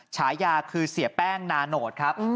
ฉายาคือเสียแป้งนาโนตครับ